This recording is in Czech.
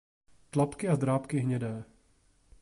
Tlapky a drápky hnědé.